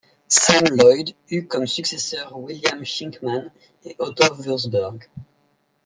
Sam Loyd eut comme successeurs William Shinkman et Otto Wurzburg.